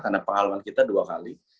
karena pahlawan kita dua kali